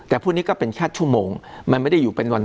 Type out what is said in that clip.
แต่พวกนี้ก็เป็นแค่ชั่วโมงมันไม่ได้อยู่เป็นวัน